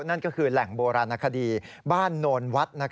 นั่นก็คือแหล่งโบราณคดีบ้านโนนวัด